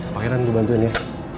pangeran gue bantuin ya